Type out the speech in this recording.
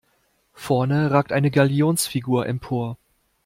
Vorne ragt eine Galionsfigur empor.